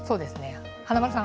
華丸さん